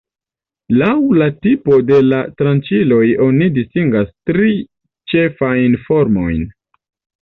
Laŭ la tipo de la tranĉiloj oni distingas tri ĉefajn formojn.